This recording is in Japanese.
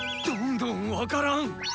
どんどん分からん！